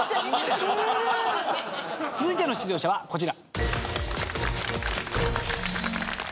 続いての出場者はこちら。